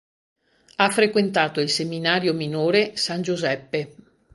Ha frequentato il seminario minore "San Giuseppe".